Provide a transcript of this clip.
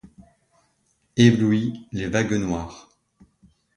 Éblouit les vagues noires